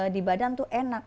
di badan tuh enak